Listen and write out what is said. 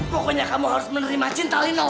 pokoknya kamu harus menerima cinta lino